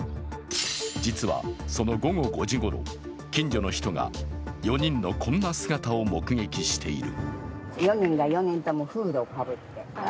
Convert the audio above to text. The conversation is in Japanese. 実はその午後５時ごろ近所の人が４人のこんな姿を目撃している。